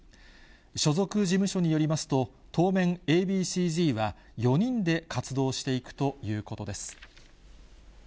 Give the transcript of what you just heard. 所属事務所によりますと、当面、Ａ．Ｂ．ＣーＺは４人で活動していくということです。